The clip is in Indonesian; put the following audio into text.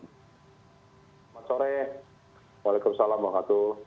selamat sore waalaikumsalam bapak kato